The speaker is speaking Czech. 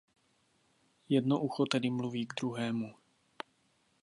Jedno ucho tedy mluví k druhému.